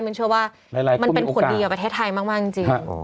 เชื่อว่ามันเป็นผลดีกับประเทศไทยมากจริง